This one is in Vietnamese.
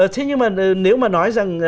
thế nhưng mà nếu mà nói rằng